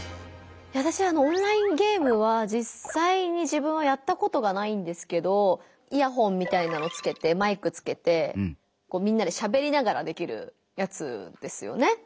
わたしはオンラインゲームはじっさいに自分はやったことがないんですけどイヤホンみたいなのつけてマイクつけてみんなでしゃべりながらできるやつですよね。